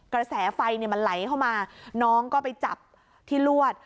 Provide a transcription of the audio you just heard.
กระแสไฟมันไหลเข้ามาน้องก็ไปจับที่ลวด